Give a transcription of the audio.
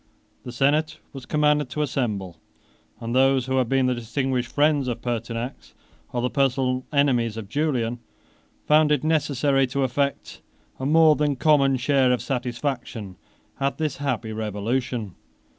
The senate was commanded to assemble; and those who had been the distinguished friends of Pertinax, or the personal enemies of Julian, found it necessary to affect a more than common share of satisfaction at this happy revolution.